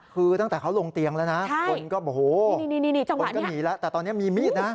คือตั้งแต่เขาลงเตียงแล้วนะคนก็โอ้โหคนก็หนีแล้วแต่ตอนนี้มีมีดนะ